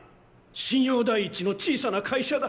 信用第一の小さな会社だ。